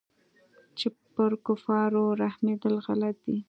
چې پر كفارو رحمېدل غلط دي.